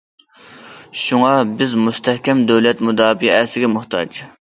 شۇڭا، بىز مۇستەھكەم دۆلەت مۇداپىئەسىگە موھتاج.